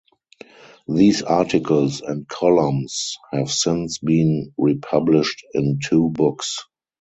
These articles and columns have since been republished in two books.